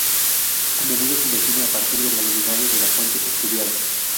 A menudo se define a partir de la luminancia de la fuente estudiada.